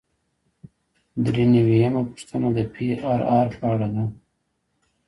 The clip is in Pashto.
درې نوي یمه پوښتنه د پی آر آر په اړه ده.